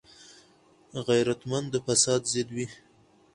غیرتمند د فساد ضد وي